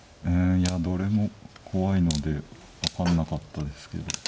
うんいやどれも怖いので分かんなかったですけど。